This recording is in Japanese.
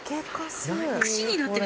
串になってる。